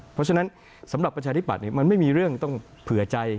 เพราะฉะนั้นสำหรับประชาธิบัติมันไม่มีเรื่องต้องเผื่อใจ